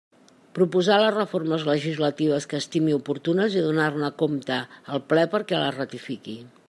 Proposar les reformes legislatives que estimi oportunes i donar-ne compte al Ple perquè les ratifiqui.